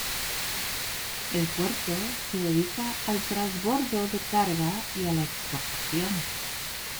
El puerto se dedica al transbordo de carga y a la exportación.